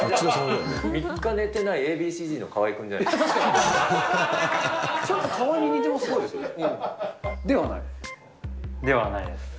３日寝てないＡ．Ｂ．ＣーＺの河合君じゃないですか。